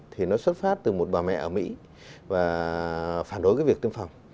thì nó xuất phát từ một bà mẹ ở mỹ và phản đối cái việc tiêm phòng